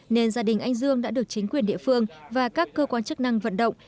nên gia đình anh dương đã được chính quyền địa phương và các cơ quan chức năng vận động